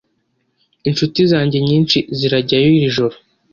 Inshuti zanjye nyinshi zirajyayo iri joro.